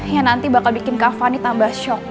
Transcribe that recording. yang nanti bakal bikin kak fani tambah shock